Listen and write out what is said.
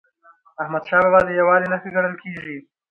احمدشاه بابا د یووالي نښه ګڼل کېږي.